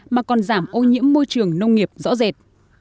mà còn giảm ô nhiễm môi trường nông nghiệp rõ rệt